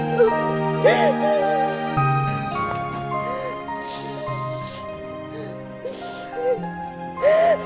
maafin bapak mi